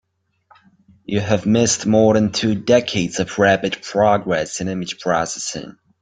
You have missed more than two decades of rapid progress in image processing.